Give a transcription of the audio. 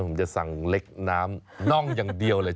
ผมจะสั่งเล็กน้ำน่องอย่างเดียวเลย